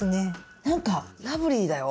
なんかラブリーだよ。